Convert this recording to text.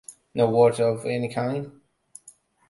No word of any kind?